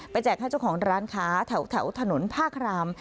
แจกให้เจ้าของร้านค้าแถวถนนผ้าคราม